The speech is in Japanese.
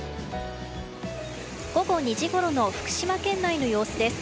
午後２時ごろの福島県内の様子です。